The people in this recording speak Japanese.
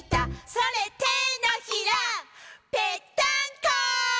「それてのひらぺったんこ！」